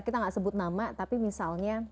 kita nggak sebut nama tapi misalnya